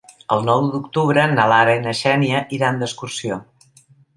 El nou d'octubre na Lara i na Xènia iran d'excursió.